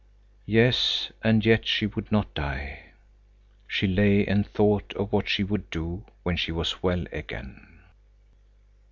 Yes, and yet she would not die! She lay and thought of what she would do when she was well again.